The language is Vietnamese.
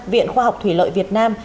viện khoa học thủy lợi việt nam